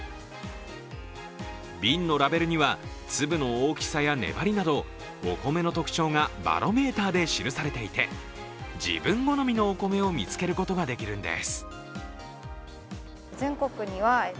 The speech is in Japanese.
瓶のラベルには粒の大きさや粘りなどお米の特徴がバロメーターで記されていて自分好みのお米を見つけることができるんです。